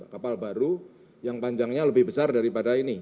kapal baru yang panjangnya lebih besar daripada ini